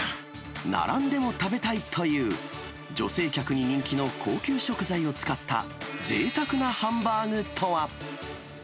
並んでも食べたいという、女性客に人気の高級食材を使ったぜいたくなハンバーグとは。